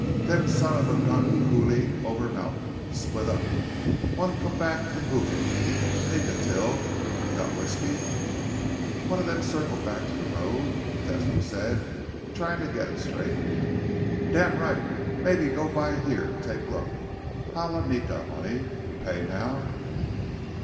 "Them son of a gun cooley over mountain. Split up. One come back to hooihut. Nika till. You got whisky?" "One of them circled back to the road?" Tesno said, trying to get it straight. "Damn right. Maybe go by here, take look. Halo nika money. You pay now?"